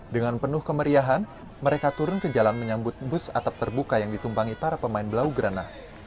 dengan penuh kemeriahan mereka turun ke jalan menyambut bus atap terbuka yang ditumpangi para pemain blaugrana